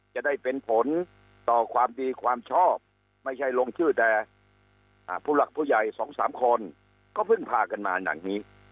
จะได้เป็นผลต่อความดีความชอบไม่ใช่ลงชื่อแต่ผู้หลักผู้ใหญ่๒๓คนก็เพิ่งพากันมาอย่างนี้